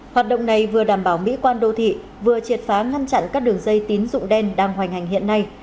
hoạt động này vừa đảm bảo mỹ quan đô thị vừa triệt phá ngăn chặn các đường dây tín dụng đen đang hoành hành hiện nay